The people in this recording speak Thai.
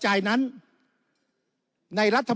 แต่การเลือกนายกรัฐมนตรี